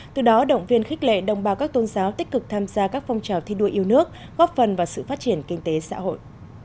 từ đó động viên khích lệ đồng bào các tôn giáo tích cực tham gia các phong trào thi đua yêu nước góp phần vào sự phát triển kinh tế xã hội